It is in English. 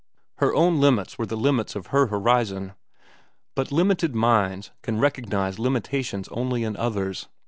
Her own limits were the limits of her horizon; but limited minds can recognize limitations only in others.